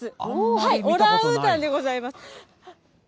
はい、オランウータンでございます。